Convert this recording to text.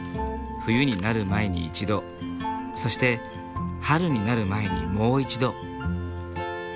冬になる前に一度そして春になる前にもう一度。